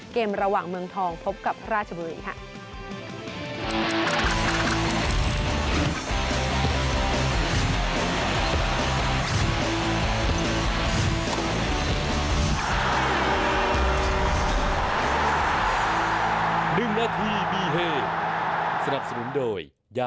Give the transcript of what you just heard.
เกมระหว่างเมืองทองพบกับราชบุรีค่ะ